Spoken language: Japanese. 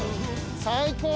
最高。